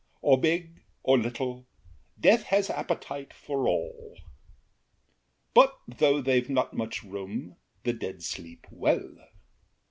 Or big or little, death has appetite For all. But though they've not much room, The dead sleep well.